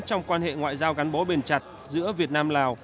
trong quan hệ ngoại giao gắn bó bền chặt giữa việt nam lào